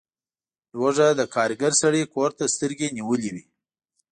لوږه د کارګر سړي کور ته سترګې نیولي وي.